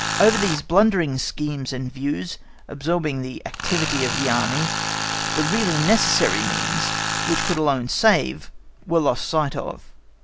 Over these blundering schemes and views, absorbing the activity of the Army, the really necessary means, which could alone save, were lost sight of.